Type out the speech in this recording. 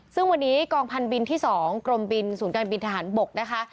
ซึ่งวันนี้กองพันธบินที่๒กรมบินศูนย์การบินทหารบกนะคะ